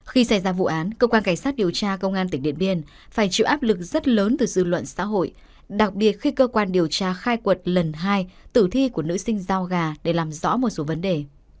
khi xảy ra vụ án cơ quan cảnh sát điều tra công an tỉnh điện biên phải chịu áp lực rất lớn từ dư luận xã hội đặc biệt khi cơ quan điều tra khai quật lần hai tử thi của nữ sinh giao gà để làm rõ một số vấn đề